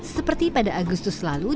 seperti pada agustus lalu